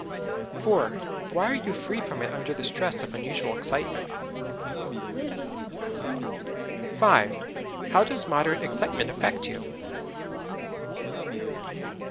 4. Why are you free from it under the stress of unusual excitement? 5. How does moderate excitement affect you?